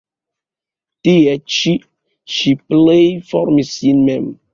Tie ĉi ŝi plej formis sin mem.